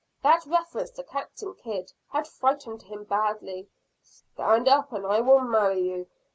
That reference to Captain Kidd had frightened him badly. "Stand up and I will marry you.